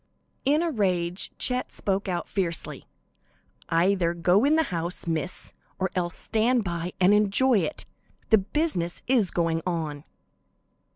In a rage Chet spoke out fiercely: "Either go in the house, Miss, or else stand by and enjoy it; the business is going on."